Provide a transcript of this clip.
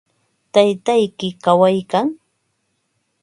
¿Taytayki kawaykan?